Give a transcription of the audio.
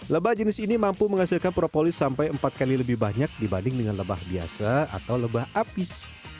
lebah jenis ini mampu menghasilkan propolis sampai empat kali lebih banyak dibanding dengan lebah biasa atau lebah apis